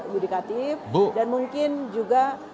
yudikatif dan mungkin juga